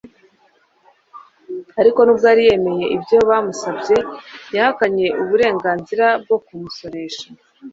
Ariko nubwo yari yemeye ibyo bamusabye, yahakanye uburengarizira bwo kumusoresha.